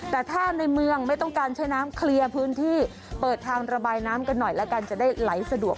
แต่ถ้าในเมืองไม่ต้องการใช้น้ำเคลียร์พื้นที่เปิดทางระบายน้ำกันหน่อยแล้วกันจะได้ไหลสะดวก